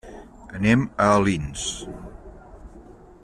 Anem a Alins.